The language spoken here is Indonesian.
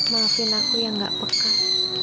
makin aku yang gak pekat